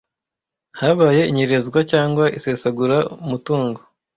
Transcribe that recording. habaye inyerezwa cyangwa isesagura mutungo